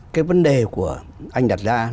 cái vấn đề của anh đặt ra